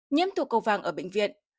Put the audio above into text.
nhiễm tụ cầu vàng ở bệnh viện